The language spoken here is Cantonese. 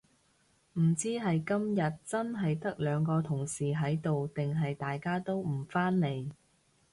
唔知係今日真係得兩個同事喺度定係大家都唔返嚟